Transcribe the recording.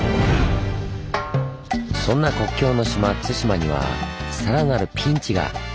そんな国境の島・対馬にはさらなるピンチが！